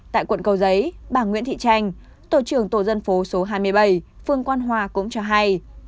tại quận cầu giấy bà nguyễn thị tranh tổ trưởng tổ dân phố số hai mươi bảy phương quan hòa cũng cho hay